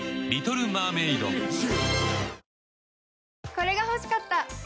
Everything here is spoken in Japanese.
これが欲しかった！